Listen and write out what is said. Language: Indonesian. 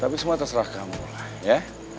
tapi semua terserah kamu lah ya